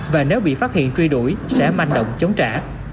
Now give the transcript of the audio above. và nếu bị phát hiện truy đuổi sẽ manh động chống trả